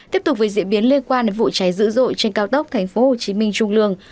tiếp tục với diễn biến liên quan đến vụ cháy dữ dội trên cao tốc tp hcm trung lương